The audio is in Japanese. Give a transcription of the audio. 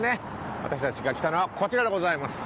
私たちが来たのはこちらでございます。